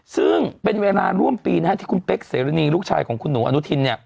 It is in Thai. ซึ่งเป็นเวลาร่วมปีที่คุณเป๊กเสรณีลูกชายของคุณหนูอนุทิน